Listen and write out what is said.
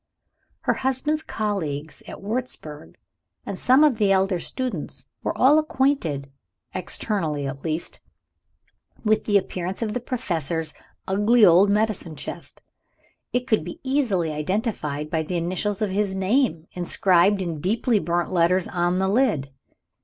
Her husband's colleagues at Wurzburg and some of the elder students, were all acquainted (externally, at least) with the appearance of the Professor's ugly old medicine chest. It could be easily identified by the initials of his name, inscribed in deeply burnt letters on the lid.